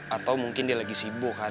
atau mungkin dia lagi sibuk kan